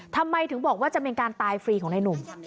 ทำไมถึงบอกว่าจะเป็นการตายฟรีของนายหนุ่ม